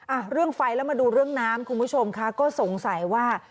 อ่ะเรื่องไฟแล้วมาดูเรื่องน้ำคุณผู้ชมค่ะก็สงสัยว่า